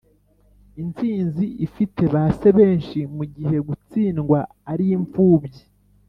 intsinzi ifite ba se benshi, mugihe gutsindwa ari impfubyi